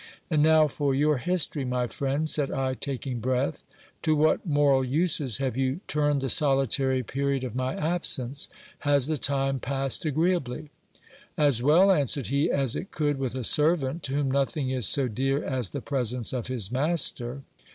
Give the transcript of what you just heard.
And now for your history, my friend, said I, taking breath : to what moral uses have you turned the solitary period of my absence ? Has the time passed agreeably ? As well, answered he, as it could with a servant to whom nothing is so dear as the presence of his master.